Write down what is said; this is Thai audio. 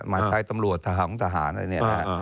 หมายถ่ายตำรวจฮผิดชอบกระทรวงดนทราวณ์